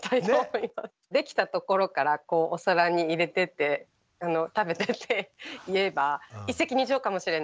できたところからこうお皿に入れてって「食べて！」って言えば一石二鳥かもしれないです。